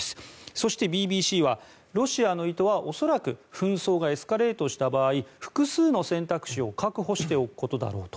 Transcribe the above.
そして、ＢＢＣはロシアの意図は恐らく紛争がエスカレートした場合複数の選択肢を確保しておくことだろうと。